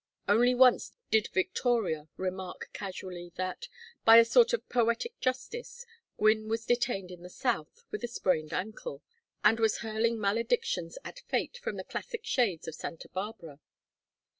Only once did Victoria remark casually, that, by a sort of poetic justice, Gwynne was detained in the south with a sprained ankle, and was hurling maledictions at fate from the classic shades of Santa Barbara.